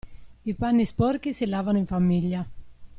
I panni sporchi si lavano in famiglia.